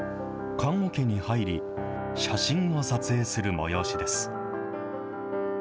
棺おけに入り、写真を撮影する催しです。